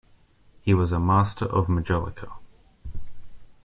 He was a master of majolica.